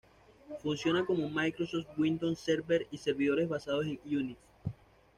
Funciona con Microsoft Windows Server y servidores basados en Unix.